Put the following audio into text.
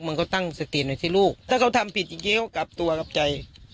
มึงก็ตั้งสติดไว้ที่ลูกถ้าเขาทำผิดอย่างนี้ก็กลับตัวกับใจ